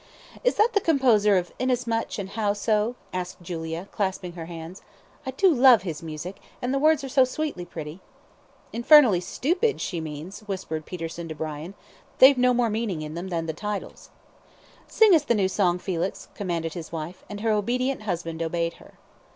"Is that the composer of 'Inasmuch' and 'How so?'" asked Julia, clasping her hands. "I do love his music, and the words are so sweetly pretty." "Infernally stupid, she means," whispered Peterson to Brian. "They've no more meaning in them than the titles." "Sing us the new song, Felix," commanded his wife, and her obedient husband obeyed her.